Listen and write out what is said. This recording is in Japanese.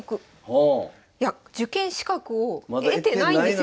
受験資格を得てないんですよ